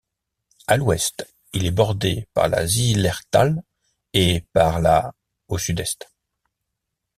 À l'ouest, il est bordé par la Zillertal et par la au sud-est.